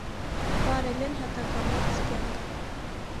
Վարել են հատակամերձ կյանք։